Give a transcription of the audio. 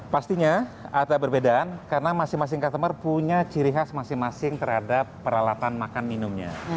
pastinya ada perbedaan karena masing masing customer punya ciri khas masing masing terhadap peralatan makan minumnya